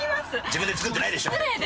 自分で作ってないでしょ。